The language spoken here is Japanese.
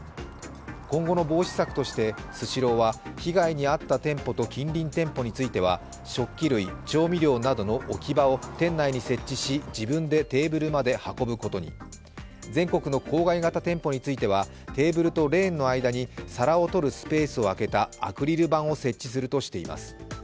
今後の防止策としてスシローは被害に遭った店舗と近隣店舗については食器類、調味料などの置き場を店内に設置し自分でテーブルまで運ぶことに全国の公開型の店舗については、アクリル板を設置するとしています。